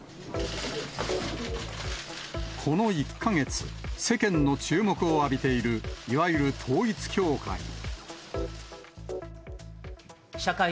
この１か月、世間の注目を浴びているいわゆる統一教会。